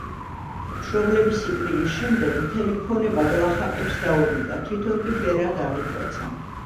მშობლების სიკვდილის შემდეგ მთელი ქონება გლახაკებს დაურიგა, თვითონ კი ბერად აღიკვეცა.